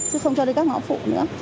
chứ không cho đến các ngõ phụ nữa